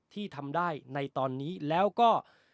ที่ทำได้ในตอนนี้แล้วก็